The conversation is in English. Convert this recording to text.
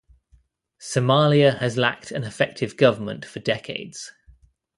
Somalia has lacked an effective government for decades.